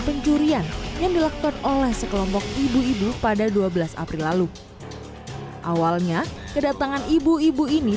pencurian yang dilakukan oleh sekelompok ibu ibu pada dua belas april lalu awalnya kedatangan ibu ibu ini